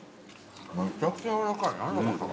めちゃくちゃ軟らかい。